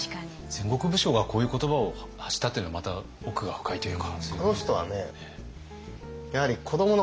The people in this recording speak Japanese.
戦国武将がこういう言葉を発したというのはまた奥が深いというか。